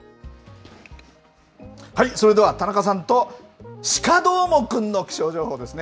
それでは田中さんと、鹿どーもくんの気象情報ですね。